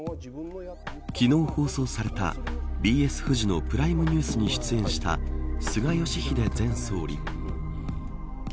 昨日、放送されたＢＳフジのプライムニュースに出演した菅義偉前総理。